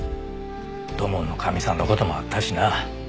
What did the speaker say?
土門のかみさんの事もあったしな。